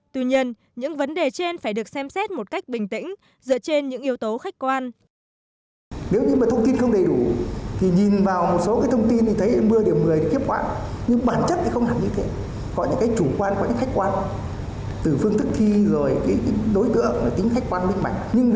tuy nhiên những vấn đề trên phải được xem xét một cách bình tĩnh dựa trên những yếu tố khách quan